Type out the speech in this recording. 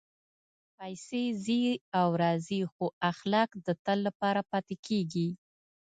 پېسې راځي او ځي، خو اخلاق د تل لپاره پاتې کېږي.